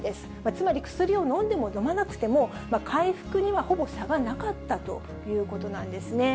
つまり薬を飲んでも飲まなくても、回復にはほぼ差がなかったということなんですね。